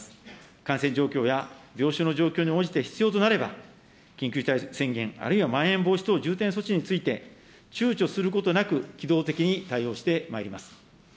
感染状況や病床の状況に応じて、必要となれば、緊急事態宣言あるいはまん延防止等重点措置について、ちゅうちょすることなく、機動的に対応してまいります。